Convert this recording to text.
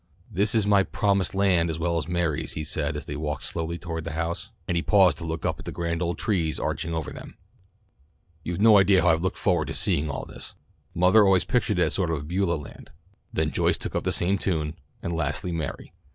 "This is my 'Promised Land' as well as Mary's," he said as they walked slowly towards the house, and he paused to look up at the grand old trees arching over them. "You've no idea how I've looked forward to seeing all this. Mother always pictured it as a sort of Beulah land. Then Joyce took up the same tune, and lastly Mary.